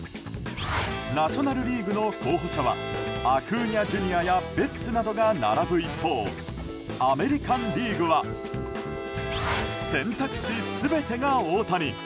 ナショナル・リーグの候補者はアクーニャＪｒ．やベッツなどが並ぶ一方アメリカン・リーグは選択肢全てが大谷。